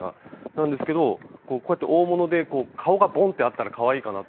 なんですけどこうやって大物で顔がボンってあったら可愛いかな。